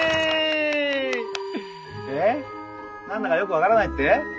何だかよく分からないって？